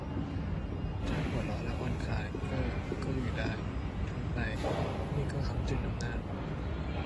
ถ้าหัวเราะแล้วผ่อนคลาย เอ้อ ก็อยู่ได้ ทนไป นี่ก็ค้ำจุนอำนาจ